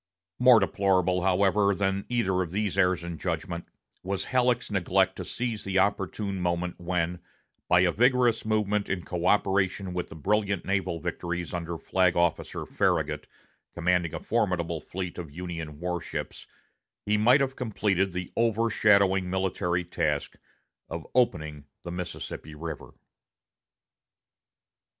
More deplorable, however, than either of these errors of judgment was Halleck's neglect to seize the opportune moment when, by a vigorous movement in coöperation with the brilliant naval victories under Flag Officer Farragut, commanding a formidable fleet of Union war ships, he might have completed the over shadowing military task of opening the Mississippi River.